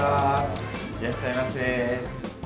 いらっしゃいませ。